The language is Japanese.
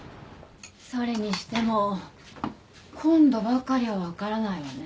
それにしても今度ばかりはわからないわね。